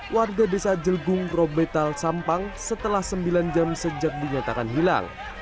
warga desa jelgung robetal sampang setelah sembilan jam sejak dinyatakan hilang